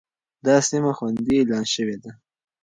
دا سيمه خوندي اعلان شوې ده.